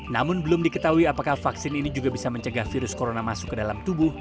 namun belum diketahui apakah vaksin ini juga bisa mencegah virus corona masuk ke dalam tubuh